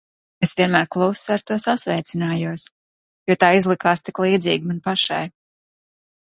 Es vienmēr klusu ar to sasveicinājos, jo tā izlikās tik līdzīga man pašai.